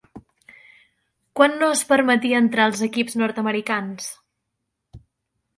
Quan no es permetia entrar als equips nord-americans?